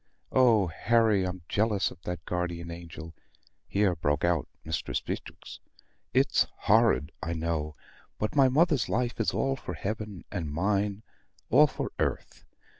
Oh, Harry, I'm jealous of that guardian angel!" here broke out Mistress Beatrix. "It's horrid, I know; but my mother's life is all for heaven, and mine all for earth.